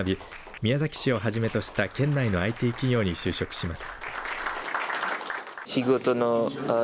宮崎市をはじめとした県内のＩＴ企業に就職します。